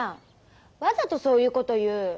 わざとそういうこと言う。